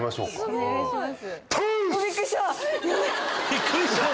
お願いします。